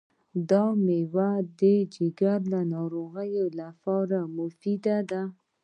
دا مېوه د ځیګر ناروغیو لپاره مفیده ده.